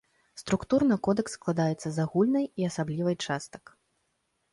Структурна кодэкс складаецца з агульнай і асаблівай частак.